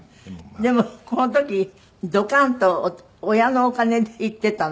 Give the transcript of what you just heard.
でもこの時ドカンと親のお金で行っていたの？